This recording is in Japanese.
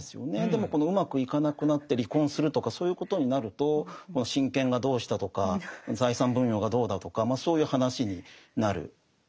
でもこのうまくいかなくなって離婚するとかそういうことになると親権がどうしたとか財産分与がどうだとかそういう話になる。